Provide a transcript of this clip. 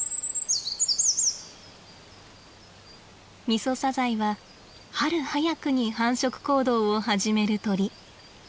ミソサザイは春早くに繁殖行動を始める鳥。